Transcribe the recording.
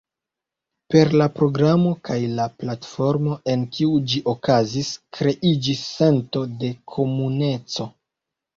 Per la programo kaj la platformo en kiu ĝi okazis, kreiĝis sento de komuneco.